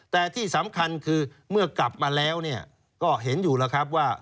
แต่ที่สำคัญคือเมื่อกลับมาแล้วก็เห็นอยู่แล้วครับว่า